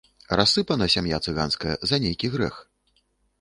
Рассыпана сям'я цыганская за нейкі грэх.